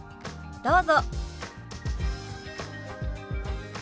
どうぞ。